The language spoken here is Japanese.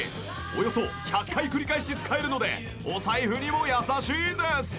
およそ１００回繰り返し使えるのでお財布にも優しいんです！